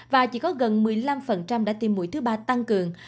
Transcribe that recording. và chỉ có gần một mươi năm đã tiêm mũi thứ ba tăng cường